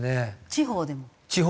地方でも。